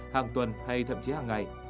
hàng tuần hay thậm chí hàng ngày